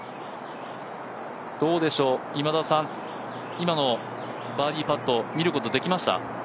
どうでしょう、今田さん、今のバーディーパット、見ることできました？